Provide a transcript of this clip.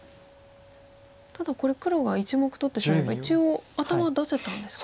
ただこれ黒が１目取ってしまえば一応頭出せたんですか？